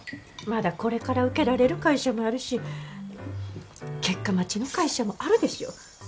まだこれから受けられる会社もあるし結果待ちの会社もあるでしょ。